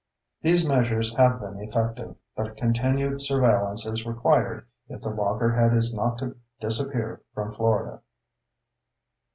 These measures have been effective, but continued surveillance is required if the loggerhead is not to disappear from Florida.